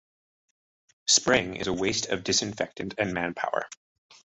Spraying is a waste of disinfectant and manpower.